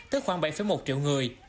tức khoảng bảy một triệu người